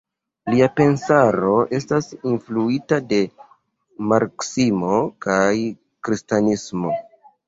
Lia pensaro estas influita de marksismo kaj kristanismo.